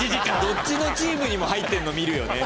どっちのチームにも入ってんの見るよね。